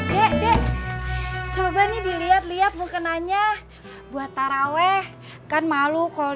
dek dek coba nih dilihat lihat mungkin aja buat taraweh kan malu kalau dilihat lihatnya